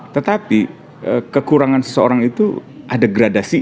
tetapi kekurangan seseorang itu ada gradasi